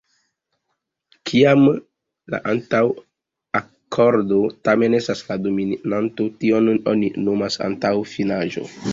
Kiam la antaŭa akordo tamen estas la dominanto, tion oni nomas aŭtenta finaĵo.